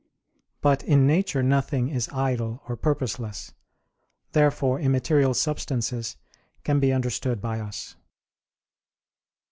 But in nature nothing is idle or purposeless. Therefore immaterial substances can be understood by us.